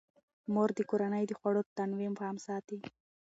مور د کورنۍ د خوړو د تنوع پام ساتي.